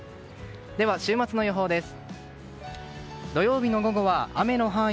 では、週末の予報です。